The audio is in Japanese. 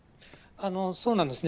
そうなんですね。